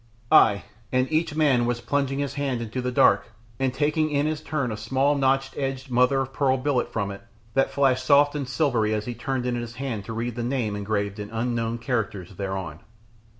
Ay! and each man was plunging his hand into the dark and taking in his turn a small notch edged mother of pearl billet from it that flashed soft and silvery as he turned it in his hand to read the name engraved in unknown characters thereon.